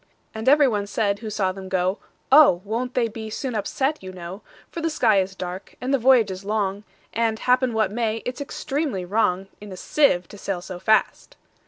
And every one said who saw them go,"Oh! won't they be soon upset, you know:For the sky is dark, and the voyage is long; And, happen what may, it 's extremely wrongIn a sieve to sail so fast."